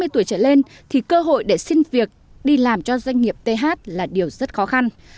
ba mươi tuổi trở lên thì cơ hội để xin việc đi làm cho doanh nghiệp th là điều rất khó khăn